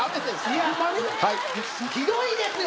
はいひどいですよ